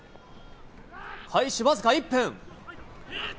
開始僅か１分。